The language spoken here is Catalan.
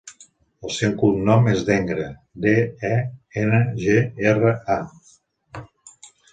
El seu cognom és Dengra: de, e, ena, ge, erra, a.